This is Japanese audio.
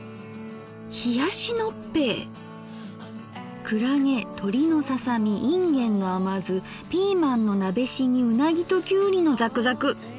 「冷やしのっぺいくらげとりのささみいんげんの甘酢ピーマンのなべしぎうなぎときゅうりのザクザク」。